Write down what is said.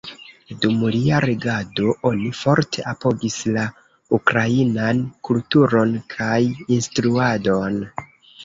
Dum lia regado, oni forte apogis la ukrainan kulturon kaj instruadon.